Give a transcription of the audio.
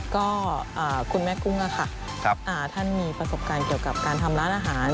ก็คุณแม่กุ้งค่ะท่านมีประสบการณ์เกี่ยวกับการทำร้านอาหาร